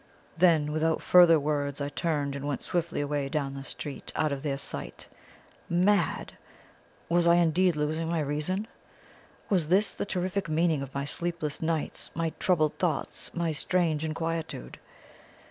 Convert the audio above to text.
Then without further words I turned, and went swiftly away down the street out of their sight. Mad! Was I indeed losing my reason? Was this the terrific meaning of my sleepless nights, my troubled thoughts, my strange inquietude?